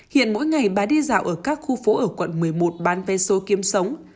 hiện mỗi ngày bà đi dạo ở các khu phố ở quận một mươi một bán vé số kiếm sống